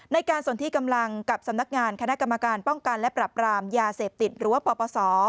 ในการสนที่กำลังกับสำนักงานคณะกรรมการป้องกันและปรับรามยาเสพติดหรือว่าปปศ